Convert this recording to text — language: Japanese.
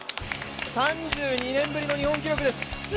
３２年ぶりの日本記録です。